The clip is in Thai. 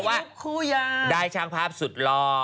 เพราะว่าได้ช่างภาพสุดลอ